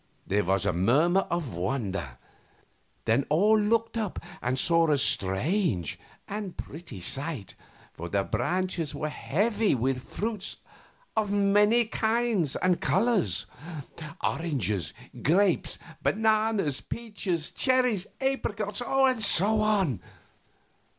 There was a murmur of wonder, then all looked up and saw a strange and pretty sight, for the branches were heavy with fruits of many kinds and colors oranges, grapes, bananas, peaches, cherries, apricots, and so on.